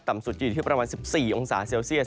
สุดจะอยู่ที่ประมาณ๑๔องศาเซลเซียส